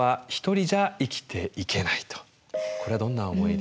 これはどんな思いですか？